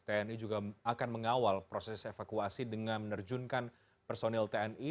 tni juga akan mengawal proses evakuasi dengan menerjunkan personil tni